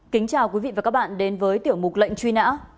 kính chào quý vị và các bạn đến với tiểu mục lệnh truy nã